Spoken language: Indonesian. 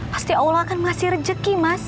pasti allah akan ngasih rejeki mas